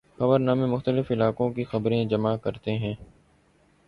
خبرنامے مختلف علاقوں کی خبریں جمع کرتے ہیں۔